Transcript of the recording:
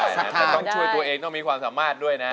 แต่ต้องช่วยตัวเองต้องมีความสามารถด้วยนะ